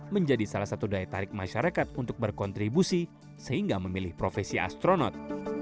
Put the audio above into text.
menjadi salah satu daya tarik masyarakat untuk berkontribusi sehingga memilih profesi astronot